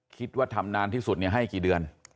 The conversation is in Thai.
คิดว่าทำนานที่สุดให้กี่เดือน